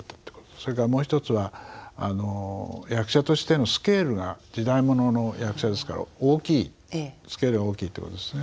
それからもう一つは役者としてのスケールが時代物の役者ですから大きいスケールが大きいってことですね。